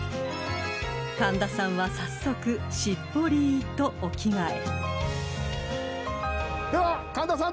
［神田さんは早速しっぽりとお着替え］では神田さん